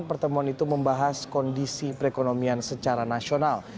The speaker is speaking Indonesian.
pertemuan itu membahas kondisi perekonomian secara nasional